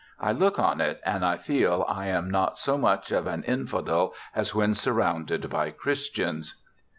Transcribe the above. I look on it and feel I am not so much of an infidel as when surrounded by Christians.'